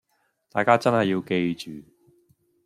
大家真係要記住